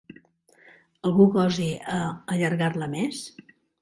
¿Algú gosa a allargar-la més?